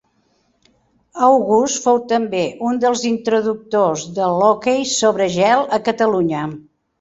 August fou també un dels introductors de l'hoquei sobre gel a Catalunya.